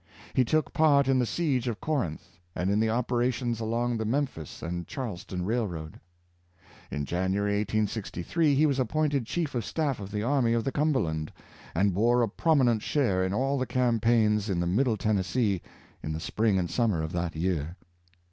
He took part in the siege of Corinth and in the operations along the Mem phis and Charleston Railroad. In January, 1863, he was appointed Chief of Staff of the Army of the Cumberland, and bore a prominent share in all the campaigns in Middle Tennessee in the spring and summer of that year.